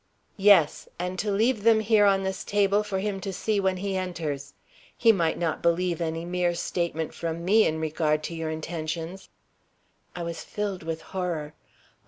"Yes, and to leave them here on this table for him to see when he enters. He might not believe any mere statement from me in regard to your intentions." I was filled with horror.